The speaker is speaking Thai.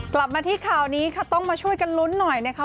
กลับมาที่ข่าวนี้ค่ะต้องมาช่วยกันลุ้นหน่อยนะคะ